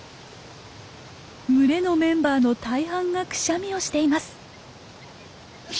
群れのメンバーの大半がクシャミをしています。